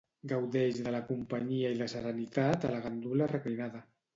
Gaudeix de la companyia i la serenitat a la gandula reclinada.